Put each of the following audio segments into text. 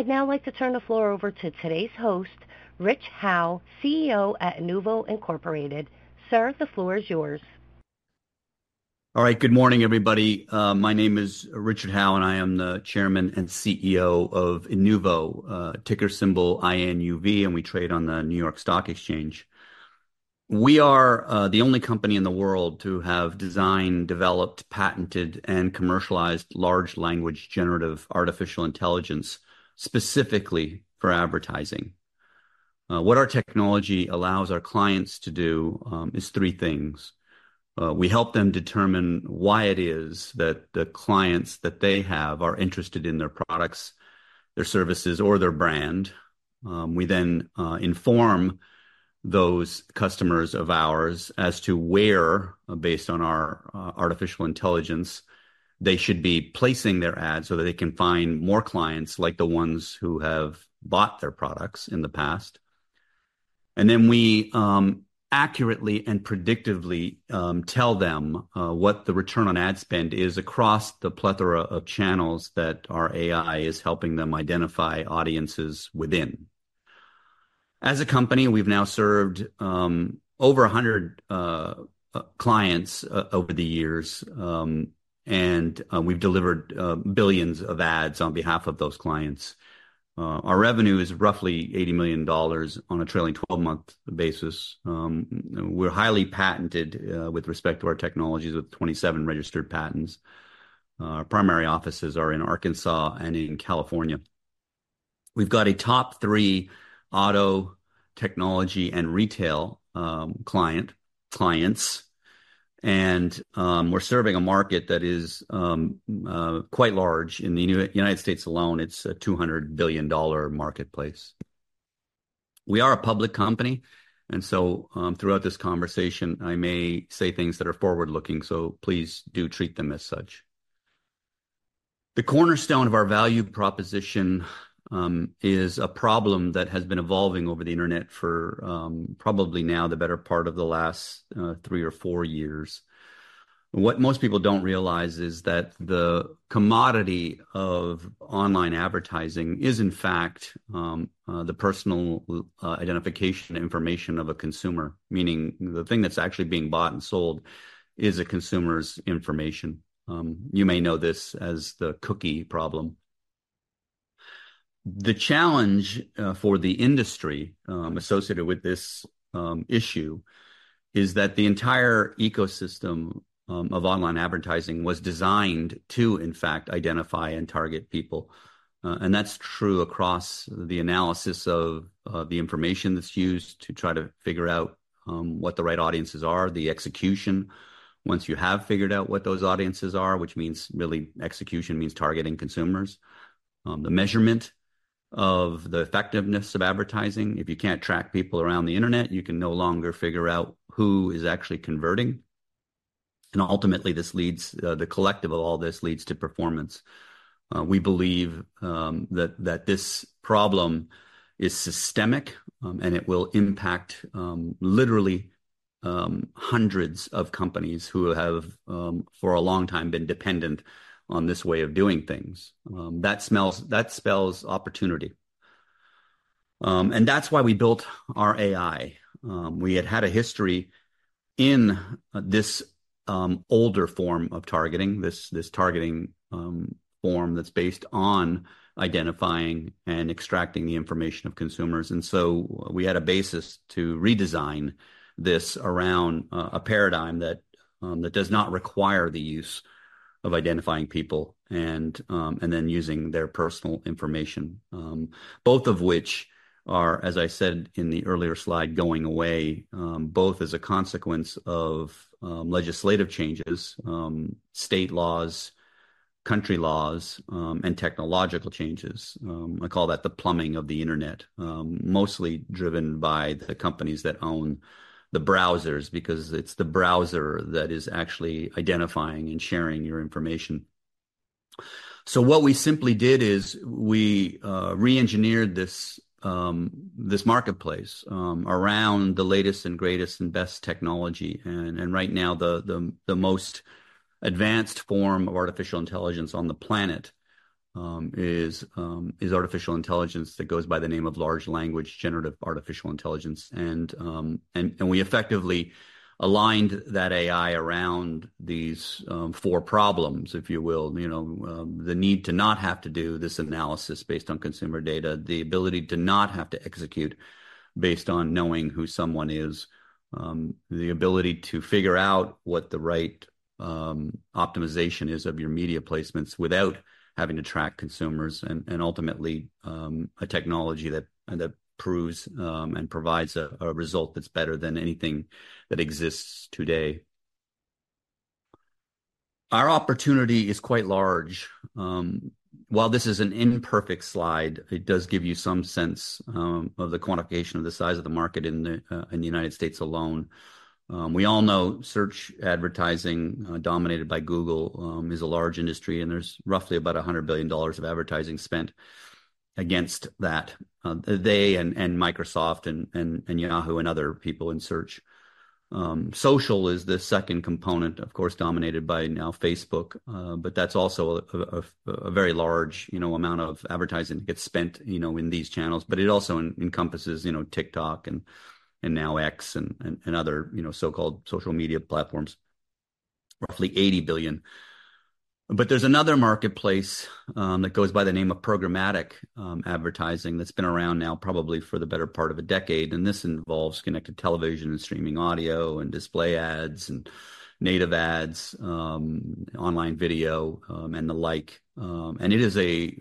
I'd now like to turn the floor over to today's host, Rich Howe, CEO at Inuvo Incorporated. Sir, the floor is yours. All right. Good morning, everybody. My name is Richard Howe, and I am the Chairman and CEO of Inuvo, ticker symbol INUV, and we trade on the New York Stock Exchange. We are the only company in the world to have designed, developed, patented, and commercialized large language generative artificial intelligence specifically for advertising. What our technology allows our clients to do is three things. We help them determine why it is that the clients that they have are interested in their products, their services, or their brand. We then inform those customers of ours as to where, based on our artificial intelligence, they should be placing their ads so that they can find more clients like the ones who have bought their products in the past. And then we accurately and predictively tell them what the return on ad spend is across the plethora of channels that our AI is helping them identify audiences within. As a company, we've now served over 100 clients over the years, and we've delivered billions of ads on behalf of those clients. Our revenue is roughly $80 million on a trailing 12-month basis. We're highly patented with respect to our technologies with 27 registered patents. Our primary offices are in Arkansas and in California. We've got a top three auto technology and retail client, and we're serving a market that is quite large. In the United States alone, it's a $200 billion marketplace. We are a public company, and so throughout this conversation, I may say things that are forward-looking, so please do treat them as such. The cornerstone of our value proposition is a problem that has been evolving over the internet for probably now the better part of the last three or four years. What most people don't realize is that the commodity of online advertising is, in fact, the personal identification information of a consumer, meaning the thing that's actually being bought and sold is a consumer's information. You may know this as the cookie problem. The challenge for the industry associated with this issue is that the entire ecosystem of online advertising was designed to, in fact, identify and target people. And that's true across the analysis of the information that's used to try to figure out what the right audiences are, the execution, once you have figured out what those audiences are, which means really execution means targeting consumers, the measurement of the effectiveness of advertising. If you can't track people around the internet, you can no longer figure out who is actually converting, and ultimately, this leads the collective of all this to performance. We believe that this problem is systemic, and it will impact literally hundreds of companies who have for a long time been dependent on this way of doing things, that spells opportunity, and that's why we built our AI. We had had a history in this older form of targeting, this targeting form that's based on identifying and extracting the information of consumers, and so we had a basis to redesign this around a paradigm that does not require the use of identifying people and then using their personal information, both of which are, as I said in the earlier slide, going away, both as a consequence of legislative changes, state laws, country laws, and technological changes. I call that the plumbing of the internet, mostly driven by the companies that own the browsers because it's the browser that is actually identifying and sharing your information. So what we simply did is we re-engineered this marketplace around the latest and greatest and best technology. And right now, the most advanced form of artificial intelligence on the planet is artificial intelligence that goes by the name of large language generative artificial intelligence. And we effectively aligned that AI around these four problems, if you will, the need to not have to do this analysis based on consumer data, the ability to not have to execute based on knowing who someone is, the ability to figure out what the right optimization is of your media placements without having to track consumers, and ultimately, a technology that proves and provides a result that's better than anything that exists today. Our opportunity is quite large. While this is an imperfect slide, it does give you some sense of the quantification of the size of the market in the United States alone. We all know search advertising dominated by Google is a large industry, and there's roughly about $100 billion of advertising spent against that, they and Microsoft and Yahoo and other people in search. Social is the second component, of course, dominated by now Facebook, but that's also a very large amount of advertising that gets spent in these channels. But it also encompasses TikTok and now X and other so-called social media platforms, roughly $80 billion. But there's another marketplace that goes by the name of programmatic advertising that's been around now probably for the better part of a decade. And this involves connected television and streaming audio and display ads and native ads, online video, and the like. It is a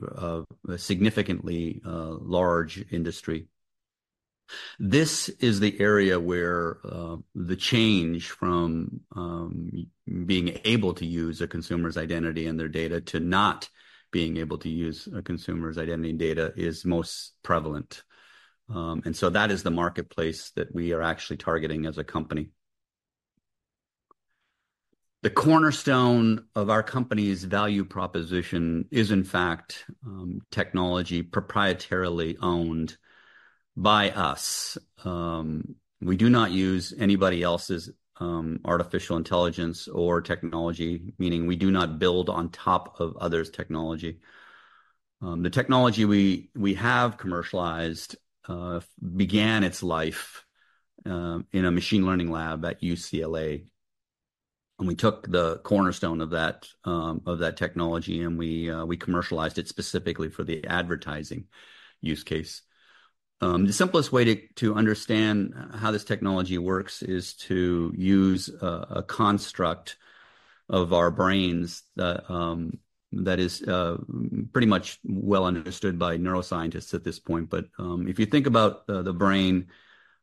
significantly large industry. This is the area where the change from being able to use a consumer's identity and their data to not being able to use a consumer's identity and data is most prevalent. So that is the marketplace that we are actually targeting as a company. The cornerstone of our company's value proposition is, in fact, technology proprietarily owned by us. We do not use anybody else's artificial intelligence or technology, meaning we do not build on top of others' technology. The technology we have commercialized began its life in a machine learning lab at UCLA. We took the cornerstone of that technology, and we commercialized it specifically for the advertising use case. The simplest way to understand how this technology works is to use a construct of our brains that is pretty much well understood by neuroscientists at this point. But if you think about the brain,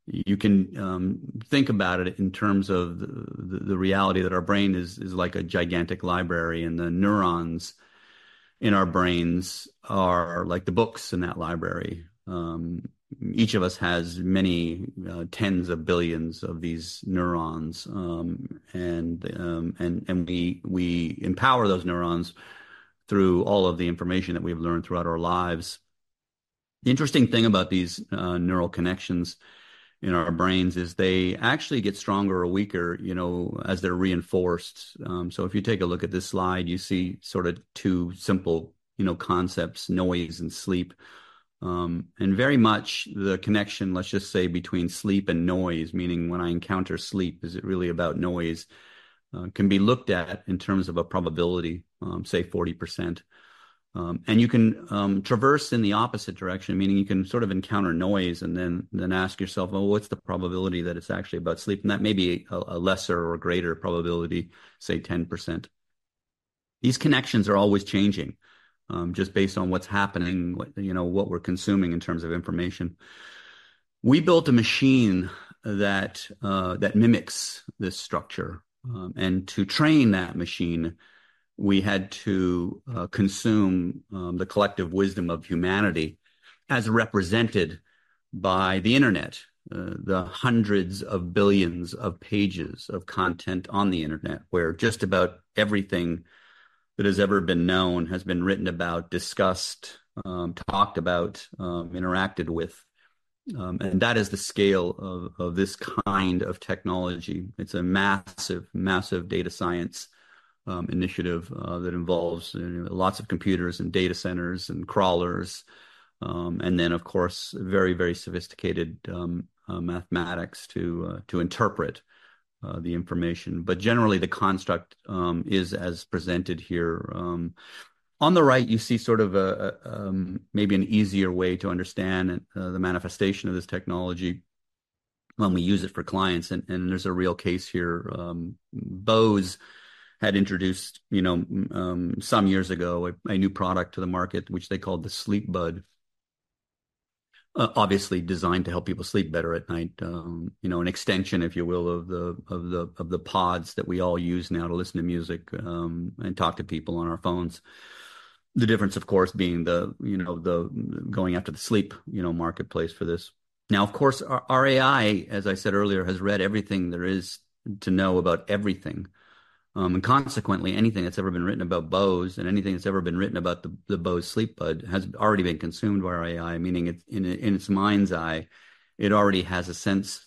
you can think about it in terms of the reality that our brain is like a gigantic library, and the neurons in our brains are like the books in that library. Each of us has many tens of billions of these neurons, and we empower those neurons through all of the information that we've learned throughout our lives. The interesting thing about these neural connections in our brains is they actually get stronger or weaker as they're reinforced. So if you take a look at this slide, you see sort of two simple concepts, noise and sleep. And very much the connection, let's just say, between sleep and noise, meaning when I encounter sleep, is it really about noise, can be looked at in terms of a probability, say, 40%. And you can traverse in the opposite direction, meaning you can sort of encounter noise and then ask yourself, "Well, what's the probability that it's actually about sleep?" And that may be a lesser or greater probability, say, 10%. These connections are always changing just based on what's happening, what we're consuming in terms of information. We built a machine that mimics this structure. And to train that machine, we had to consume the collective wisdom of humanity as represented by the internet, the hundreds of billions of pages of content on the internet where just about everything that has ever been known has been written about, discussed, talked about, interacted with. And that is the scale of this kind of technology. It's a massive, massive data science initiative that involves lots of computers and data centers and crawlers. And then, of course, very, very sophisticated mathematics to interpret the information. But generally, the construct is as presented here. On the right, you see sort of maybe an easier way to understand the manifestation of this technology when we use it for clients. And there's a real case here. Bose had introduced some years ago a new product to the market, which they called the Sleepbuds, obviously designed to help people sleep better at night, an extension, if you will, of the pods that we all use now to listen to music and talk to people on our phones. The difference, of course, being the going after the sleep marketplace for this. Now, of course, our AI, as I said earlier, has read everything there is to know about everything. Consequently, anything that's ever been written about Bose and anything that's ever been written about the Bose Sleepbuds has already been consumed by our AI, meaning in its mind's eye, it already has a sense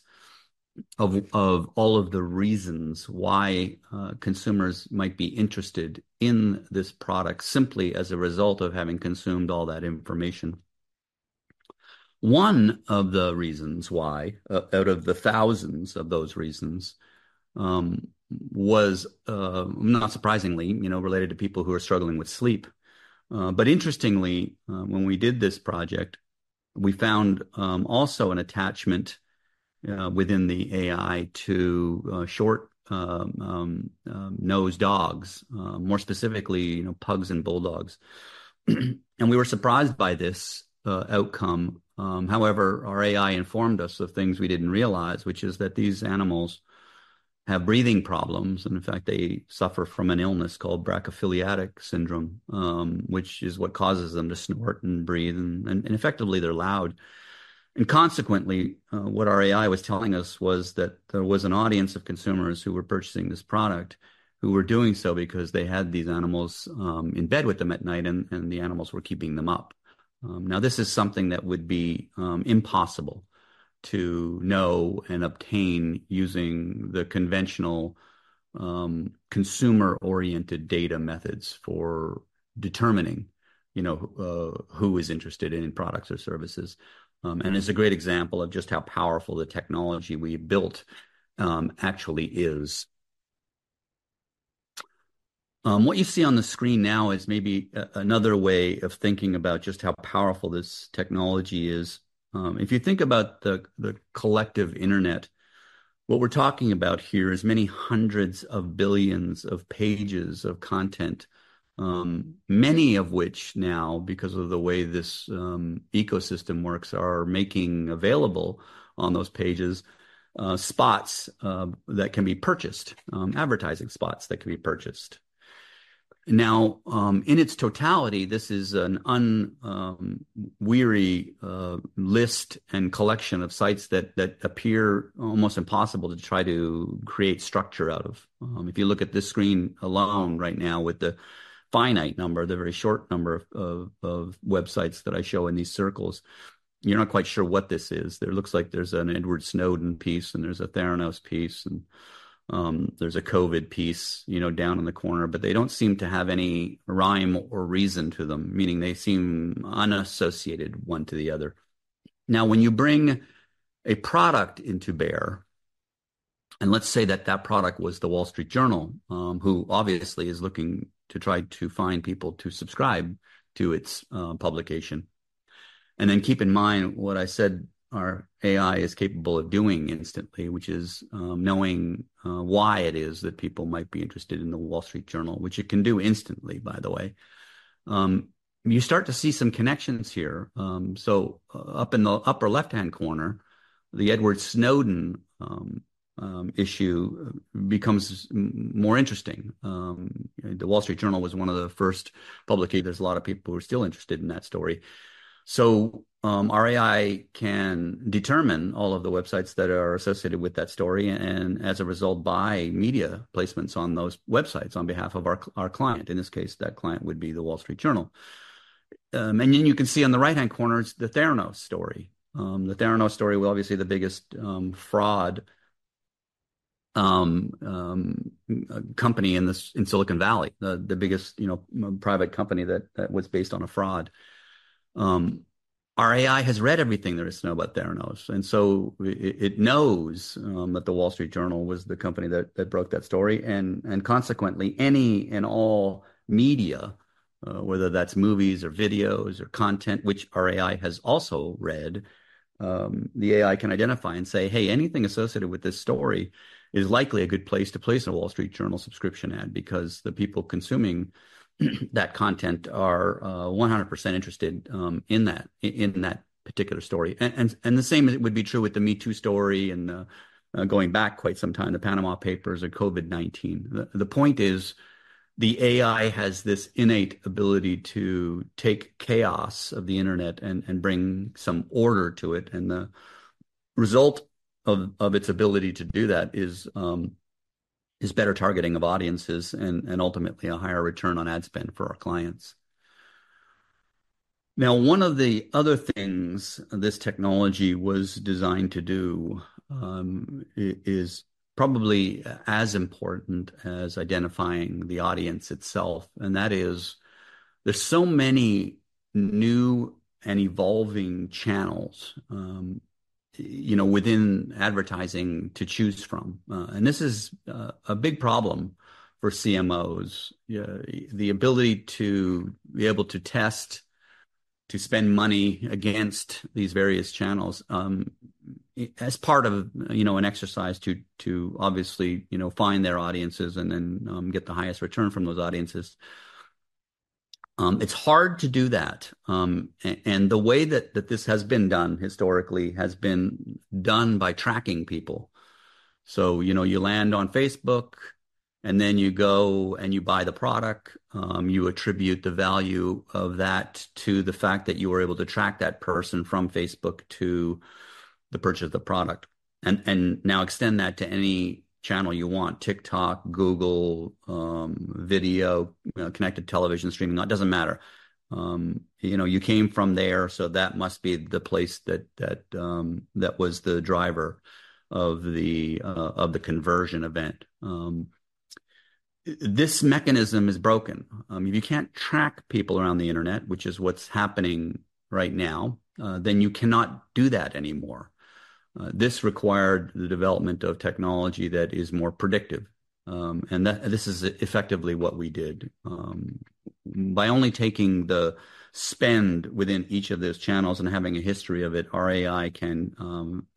of all of the reasons why consumers might be interested in this product simply as a result of having consumed all that information. One of the reasons why, out of the thousands of those reasons, was not surprisingly related to people who are struggling with sleep. Interestingly, when we did this project, we found also an attachment within the AI to short-nosed dogs, more specifically pugs and bulldogs. We were surprised by this outcome. However, our AI informed us of things we didn't realize, which is that these animals have breathing problems. In fact, they suffer from an illness called brachycephalic syndrome, which is what causes them to snort and breathe. Effectively, they're loud. Consequently, what our AI was telling us was that there was an audience of consumers who were purchasing this product who were doing so because they had these animals in bed with them at night, and the animals were keeping them up. Now, this is something that would be impossible to know and obtain using the conventional consumer-oriented data methods for determining who is interested in products or services. It's a great example of just how powerful the technology we built actually is. What you see on the screen now is maybe another way of thinking about just how powerful this technology is. If you think about the collective internet, what we're talking about here is many hundreds of billions of pages of content, many of which now, because of the way this ecosystem works, are making available on those pages spots that can be purchased, advertising spots that can be purchased. Now, in its totality, this is an unwieldy list and collection of sites that appear almost impossible to try to create structure out of. If you look at this screen alone right now with the finite number, the very short number of websites that I show in these circles, you're not quite sure what this is. There looks like there's an Edward Snowden piece, and there's a Theranos piece, and there's a COVID piece down in the corner, but they don't seem to have any rhyme or reason to them, meaning they seem unassociated one to the other. Now, when you bring a product into bear, and let's say that that product was the Wall Street Journal, who obviously is looking to try to find people to subscribe to its publication, and then keep in mind what I said our AI is capable of doing instantly, which is knowing why it is that people might be interested in the Wall Street Journal, which it can do instantly, by the way. You start to see some connections here, so up in the upper left-hand corner, the Edward Snowden issue becomes more interesting. The Wall Street Journal was one of the first to publish. There's a lot of people who are still interested in that story, so our AI can determine all of the websites that are associated with that story and, as a result, buy media placements on those websites on behalf of our client. In this case, that client would be the Wall Street Journal, and then you can see on the right-hand corner is the Theranos story. The Theranos story was obviously the biggest fraud company in Silicon Valley, the biggest private company that was based on a fraud. Our AI has read everything there is to know about Theranos, and so it knows that the Wall Street Journal was the company that broke that story. And consequently, any and all media, whether that's movies or videos or content, which our AI has also read, the AI can identify and say, "Hey, anything associated with this story is likely a good place to place a Wall Street Journal subscription ad because the people consuming that content are 100% interested in that particular story." And the same would be true with the Me Too story and going back quite some time to Panama Papers and COVID-19. The point is the AI has this innate ability to take chaos of the internet and bring some order to it. And the result of its ability to do that is better targeting of audiences and ultimately a higher return on ad spend for our clients. Now, one of the other things this technology was designed to do is probably as important as identifying the audience itself. And that is, there's so many new and evolving channels within advertising to choose from. And this is a big problem for CMOs, the ability to be able to test, to spend money against these various channels as part of an exercise to obviously find their audiences and then get the highest return from those audiences. It's hard to do that. And the way that this has been done historically has been done by tracking people. So you land on Facebook, and then you go and you buy the product. You attribute the value of that to the fact that you were able to track that person from Facebook to the purchase of the product. And now extend that to any channel you want: TikTok, Google, video, connected television, streaming, it doesn't matter. You came from there, so that must be the place that was the driver of the conversion event. This mechanism is broken. If you can't track people around the internet, which is what's happening right now, then you cannot do that anymore. This required the development of technology that is more predictive. And this is effectively what we did. By only taking the spend within each of those channels and having a history of it, our AI can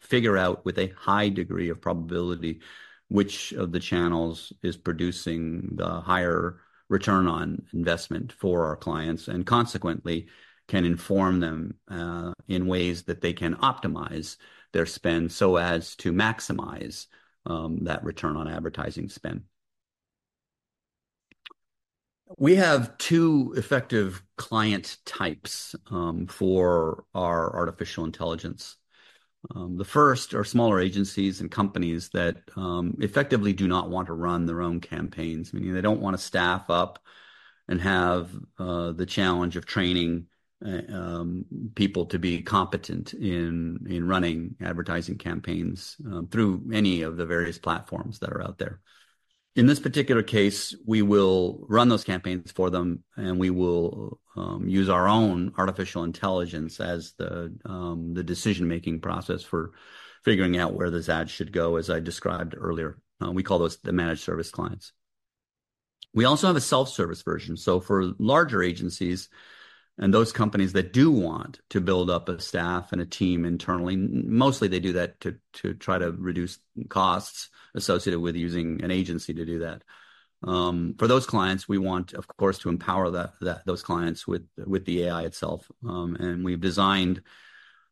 figure out with a high degree of probability which of the channels is producing the higher return on investment for our clients and consequently can inform them in ways that they can optimize their spend so as to maximize that return on advertising spend. We have two effective client types for our artificial intelligence. The first are smaller agencies and companies that effectively do not want to run their own campaigns, meaning they don't want to staff up and have the challenge of training people to be competent in running advertising campaigns through any of the various platforms that are out there. In this particular case, we will run those campaigns for them, and we will use our own artificial intelligence as the decision-making process for figuring out where this ad should go, as I described earlier. We call those the managed service clients. We also have a self-service version. So for larger agencies and those companies that do want to build up a staff and a team internally, mostly they do that to try to reduce costs associated with using an agency to do that. For those clients, we want, of course, to empower those clients with the AI itself. And we've designed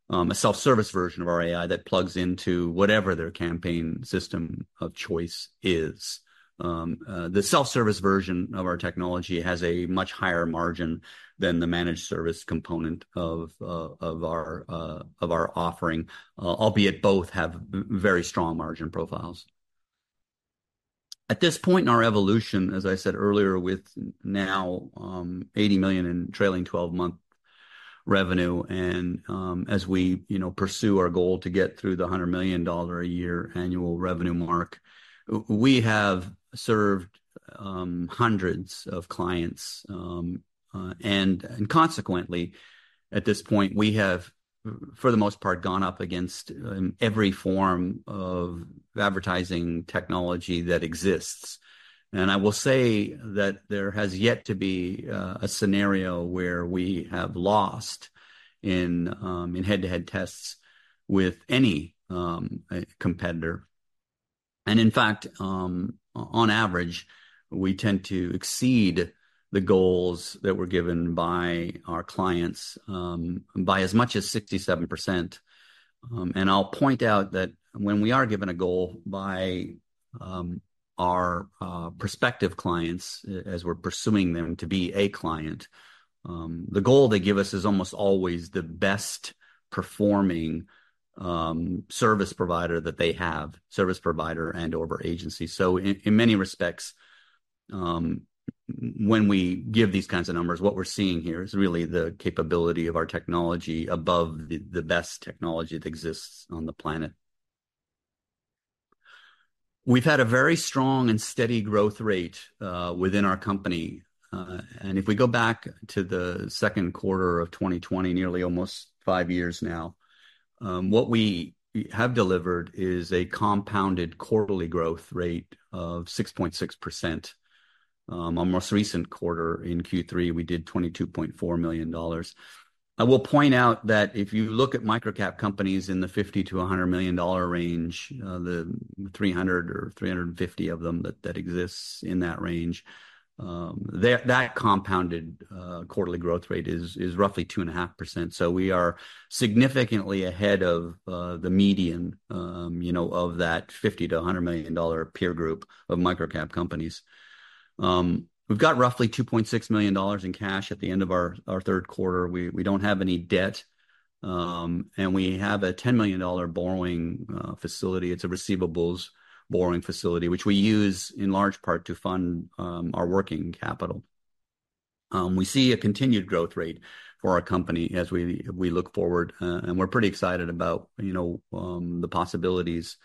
a self-service version of our AI that plugs into whatever their campaign system of choice is. The self-service version of our technology has a much higher margin than the managed service component of our offering, albeit both have very strong margin profiles. At this point in our evolution, as I said earlier, with now $80 million in trailing 12-month revenue, and as we pursue our goal to get through the $100 million a year annual revenue mark, we have served hundreds of clients. And consequently, at this point, we have, for the most part, gone up against every form of advertising technology that exists. And I will say that there has yet to be a scenario where we have lost in head-to-head tests with any competitor. And in fact, on average, we tend to exceed the goals that were given by our clients by as much as 67%. And I'll point out that when we are given a goal by our prospective clients, as we're pursuing them to be a client, the goal they give us is almost always the best performing service provider that they have, service provider and/or agency. So in many respects, when we give these kinds of numbers, what we're seeing here is really the capability of our technology above the best technology that exists on the planet. We've had a very strong and steady growth rate within our company. And if we go back to the second quarter of 2020, nearly almost five years now, what we have delivered is a compounded quarterly growth rate of 6.6%. On most recent quarter in Q3, we did $22.4 million. I will point out that if you look at microcap companies in the $50-$100 million range, the 300 or 350 of them that exist in that range, that compounded quarterly growth rate is roughly 2.5%. So we are significantly ahead of the median of that $50-$100 million peer group of microcap companies. We've got roughly $2.6 million in cash at the end of our third quarter. We don't have any debt. And we have a $10 million borrowing facility. It's a receivables borrowing facility, which we use in large part to fund our working capital. We see a continued growth rate for our company as we look forward. And we're pretty excited about the possibilities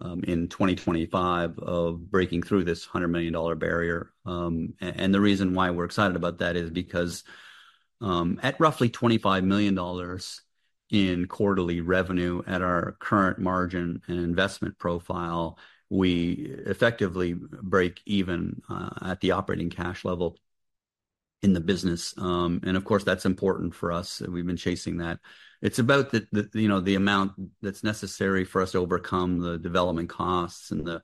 in 2025 of breaking through this $100 million barrier. And the reason why we're excited about that is because at roughly $25 million in quarterly revenue at our current margin and investment profile, we effectively break even at the operating cash level in the business. And of course, that's important for us. We've been chasing that. It's about the amount that's necessary for us to overcome the development costs and the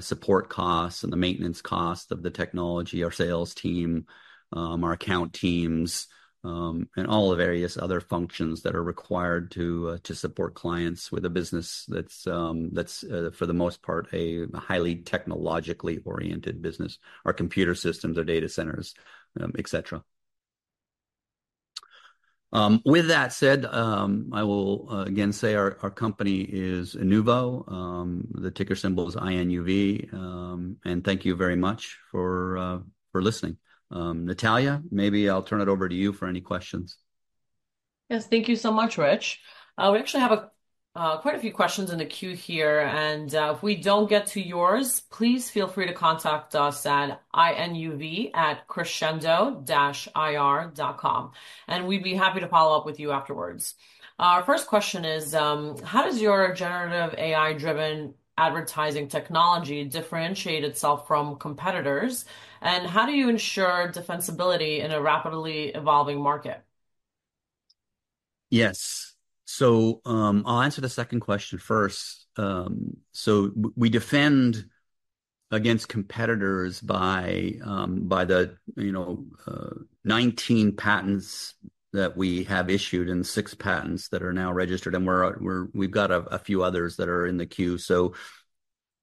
support costs and the maintenance costs of the technology, our sales team, our account teams, and all the various other functions that are required to support clients with a business that's, for the most part, a highly technologically oriented business, our computer systems, our data centers, etc. With that said, I will again say our company is Inuvo. The ticker symbol is INUV. And thank you very much for listening. Natalia, maybe I'll turn it over to you for any questions. Yes, thank you so much, Rich. We actually have quite a few questions in the queue here. And if we don't get to yours, please feel free to contact us at inuv@crescendo-ir.com. And we'd be happy to follow up with you afterwards. Our first question is, how does your generative AI-driven advertising technology differentiate itself from competitors? And how do you ensure defensibility in a rapidly evolving market? Yes. So I'll answer the second question first. So we defend against competitors by the 19 patents that we have issued and the six patents that are now registered. And we've got a few others that are in the queue. So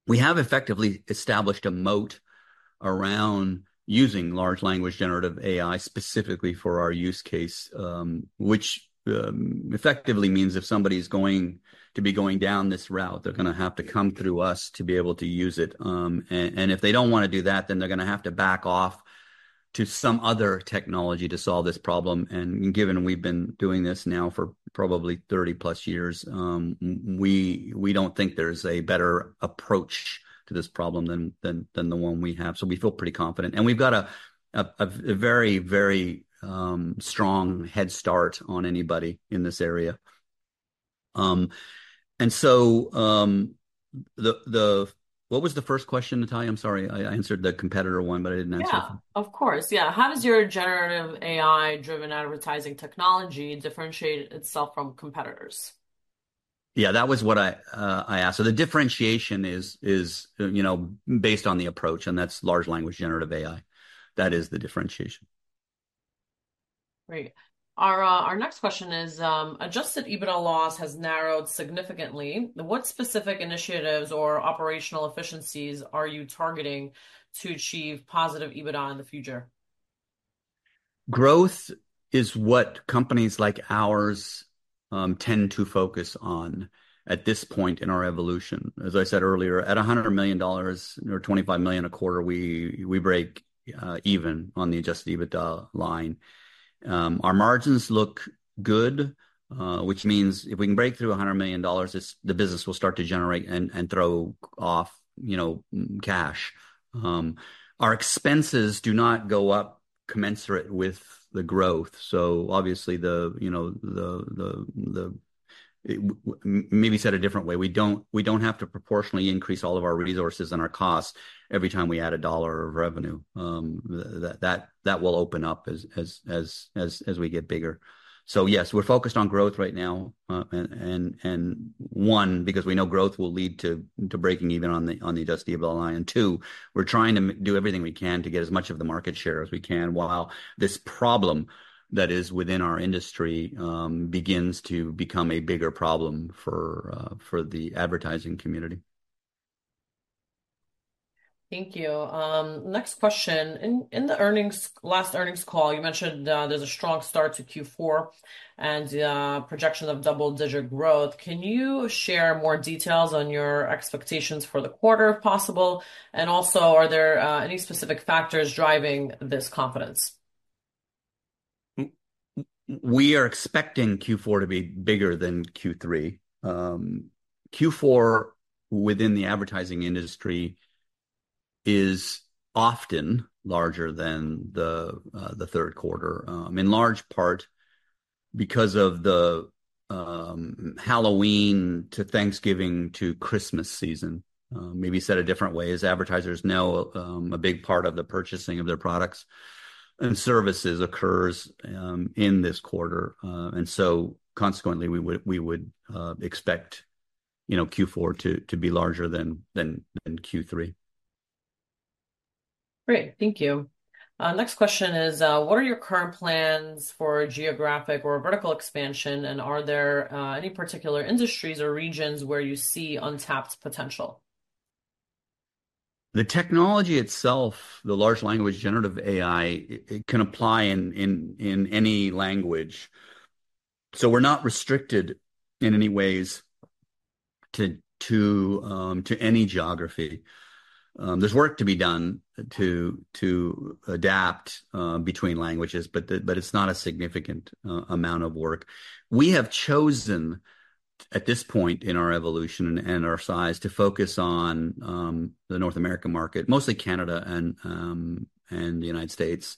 we have effectively established a moat around using large language generative AI specifically for our use case, which effectively means if somebody is going to be going down this route, they're going to have to come through us to be able to use it. And if they don't want to do that, then they're going to have to back off to some other technology to solve this problem. And given we've been doing this now for probably 30-plus years, we don't think there's a better approach to this problem than the one we have. So we feel pretty confident. We've got a very, very strong head start on anybody in this area. So what was the first question, Natalia? I'm sorry. I answered the competitor one, but I didn't answer it. Yeah, of course. Yeah. How does your generative AI-driven advertising technology differentiate itself from competitors? Yeah, that was what I asked, so the differentiation is based on the approach, and that's large language generative AI. That is the differentiation. Great. Our next question is, Adjusted EBITDA loss has narrowed significantly. What specific initiatives or operational efficiencies are you targeting to achieve positive Adjusted EBITDA in the future? Growth is what companies like ours tend to focus on at this point in our evolution. As I said earlier, at $100 million or $25 million a quarter, we break even on the Adjusted EBITDA line. Our margins look good, which means if we can break through $100 million, the business will start to generate and throw off cash. Our expenses do not go up commensurate with the growth. So obviously, maybe said a different way, we don't have to proportionally increase all of our resources and our costs every time we add a dollar of revenue. That will open up as we get bigger. So yes, we're focused on growth right now, one, because we know growth will lead to breaking even on the Adjusted EBITDA line. And two, we're trying to do everything we can to get as much of the market share as we can while this problem that is within our industry begins to become a bigger problem for the advertising community. Thank you. Next question. In the last earnings call, you mentioned there's a strong start to Q4 and projection of double-digit growth. Can you share more details on your expectations for the quarter, if possible? And also, are there any specific factors driving this confidence? We are expecting Q4 to be bigger than Q3. Q4 within the advertising industry is often larger than the third quarter, in large part because of the Halloween to Thanksgiving to Christmas season. Maybe said a different way is advertisers know a big part of the purchasing of their products and services occurs in this quarter, and so consequently, we would expect Q4 to be larger than Q3. Great. Thank you. Next question is, what are your current plans for geographic or vertical expansion? And are there any particular industries or regions where you see untapped potential? The technology itself, the large language generative AI, can apply in any language. So we're not restricted in any ways to any geography. There's work to be done to adapt between languages, but it's not a significant amount of work. We have chosen at this point in our evolution and our size to focus on the North American market, mostly Canada and the United States,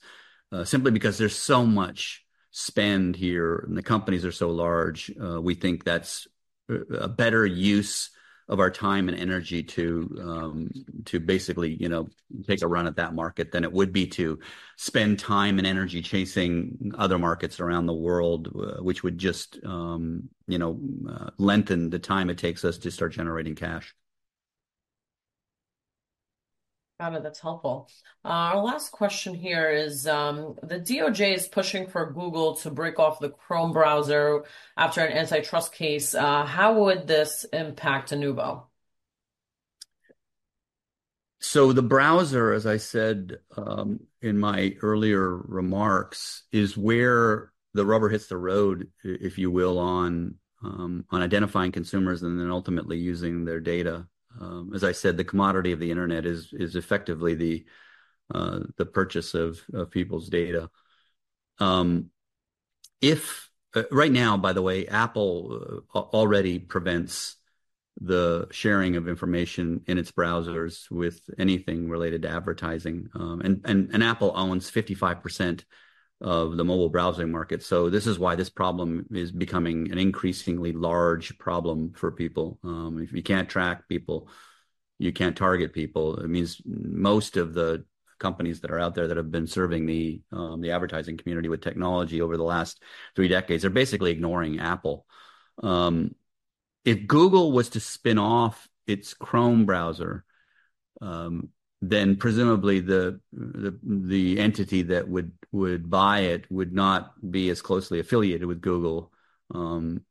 simply because there's so much spend here and the companies are so large. We think that's a better use of our time and energy to basically take a run at that market than it would be to spend time and energy chasing other markets around the world, which would just lengthen the time it takes us to start generating cash. Got it. That's helpful. Our last question here is, the DOJ is pushing for Google to break off the Chrome browser after an antitrust case. How would this impact Inuvo? So the browser, as I said in my earlier remarks, is where the rubber hits the road, if you will, on identifying consumers and then ultimately using their data. As I said, the commodity of the internet is effectively the purchase of people's data. Right now, by the way, Apple already prevents the sharing of information in its browsers with anything related to advertising. And Apple owns 55% of the mobile browsing market. So this is why this problem is becoming an increasingly large problem for people. If you can't track people, you can't target people. It means most of the companies that are out there that have been serving the advertising community with technology over the last three decades are basically ignoring Apple. If Google was to spin off its Chrome browser, then presumably the entity that would buy it would not be as closely affiliated with Google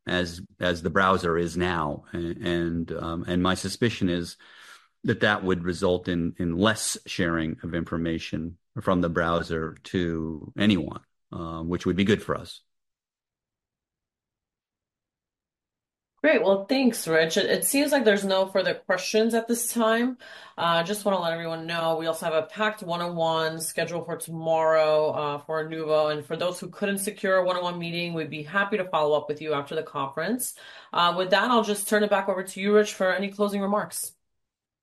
as the browser is now. And my suspicion is that that would result in less sharing of information from the browser to anyone, which would be good for us. Great. Well, thanks, Rich. It seems like there's no further questions at this time. I just want to let everyone know we also have a packed one-on-one scheduled for tomorrow for Inuvo. And for those who couldn't secure a one-on-one meeting, we'd be happy to follow up with you after the conference. With that, I'll just turn it back over to you, Rich, for any closing remarks.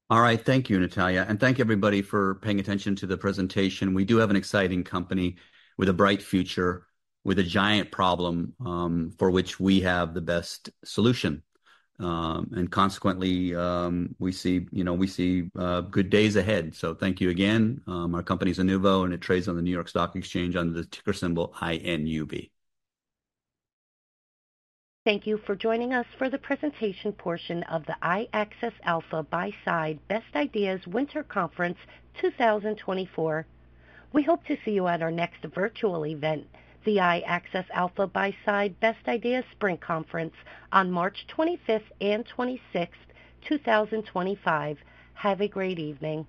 All right. Thank you, Natalia, and thank everybody for paying attention to the presentation. We do have an exciting company with a bright future, with a giant problem for which we have the best solution, and consequently, we see good days ahead, so thank you again. Our company is Inuvo, and it trades on the New York Stock Exchange under the ticker symbol INUV. Thank you for joining iAccess Alpha Buyside Best Ideas Winter Conference 2024. we hope to see you at our next virtual event, the iAccess Alpha Buyside Best Ideas Spring Conference on March 25th and 26th, 2025. Have a great evening.